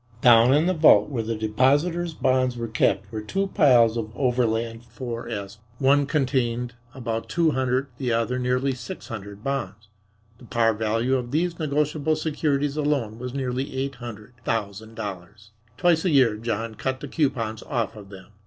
Down in the vault where the depositors' bonds were kept were two piles of Overland 4s. One contained about two hundred and the other nearly six hundred bonds. The par value of these negotiable securities alone was nearly eight hundred thousand dollars. Twice a year John cut the coupons off of them.